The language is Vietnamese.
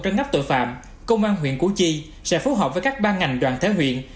trân ngắp tội phạm công an huyện củ chi sẽ phối hợp với các ban ngành đoàn thế huyện